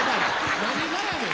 何がやねん。